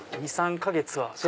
２３か月は。